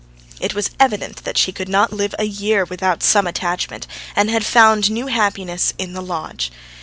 It was evident that she could not live a year without some attachment, and had found new happiness in the lodge.